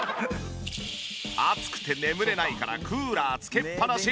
暑くて眠れないからクーラーつけっぱなし。